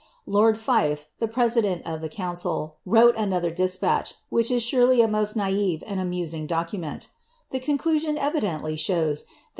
Lord Fife! the p:e:. denl of the councd, wrote another despatch, which is surelv a tc^t naive and amusira document : the conclusion eviJcntlv shows thai r.